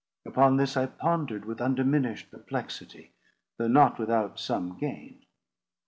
Upon this I pondered with undiminished perplexity, though not without some gain.